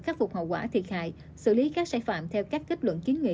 khắc phục hậu quả thiệt hại xử lý các sai phạm theo các kết luận kiến nghị